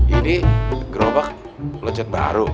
ini gerobak lecet baru